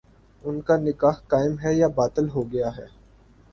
ان کا نکاح قائم ہے یا باطل ہو گیا ہے